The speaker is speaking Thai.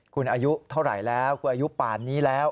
คุณอายุเท่าไหร่แล้วคุณอายุป่านนี้แล้ว